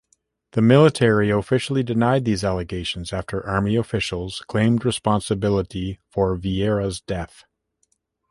The military officially denied these allegations after Army officials claimed responsibility for Vieira's death.